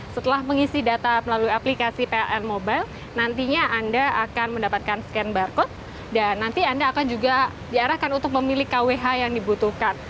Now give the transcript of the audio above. setelah mengisi data melalui aplikasi pln mobile nantinya anda akan mendapatkan scan barcode dan nanti anda akan juga diarahkan untuk memilih kwh yang dibutuhkan